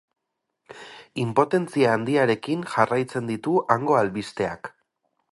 Inpotentzia handiarekin jarraitzen ditu hango albisteak.